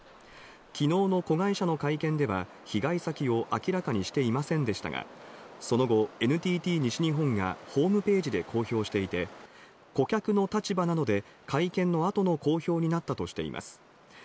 きのうの子会社の会見では、被害先を明らかにしていませんでしたが、その後、ＮＴＴ西日本がホームページで公表していて、顧客の立場なので、会見の後の公表になったとしています。